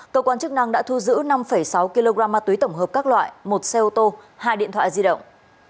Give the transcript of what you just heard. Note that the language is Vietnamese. cơ quan chức năng đã thu giữ năm sáu kg ma túy tổng hợp các loại một xe ô tô hai điện thoại di động